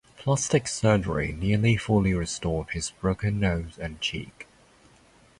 Plastic surgery nearly fully restored his broken nose and cheek.